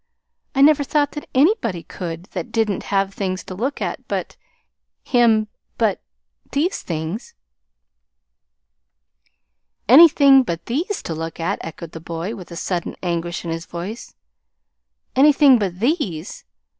I never thought that anybody could that did n't have anything to look at but him but these things." "'Anything but these to look at'!" echoed the boy, with a sudden anguish in his voice. "Anything but these!